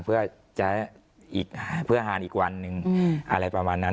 เพื่อหารอีกวันนึงอะไรประมาณนั้น